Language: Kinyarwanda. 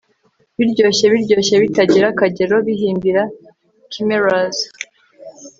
Biryoshye biryoshye bitagira akagero bihimbira chimeras